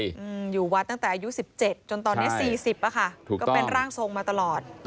อยู่วัดตั้งแต่อายุ๑๗จนตอนนี้๔๐ค่ะทุกครั้งเป็นร่างทรงมาตลอด